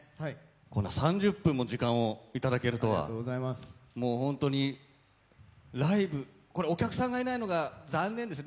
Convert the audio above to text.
この３０分の時間をいただけるとは、もう本当に、ライブお客さんがいないのが残念です。